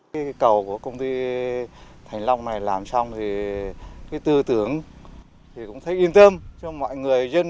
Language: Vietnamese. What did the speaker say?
cây cầu của công ty thành long này làm xong thì tư tưởng cũng thấy yên tâm cho mọi người dân